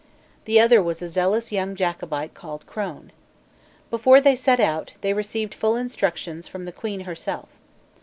The other was a zealous young Jacobite called Crone. Before they set out, they received full instructions from the Queen herself.